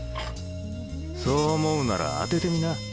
そう思うなら当ててみな。